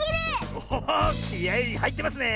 おおおっきあいはいってますね！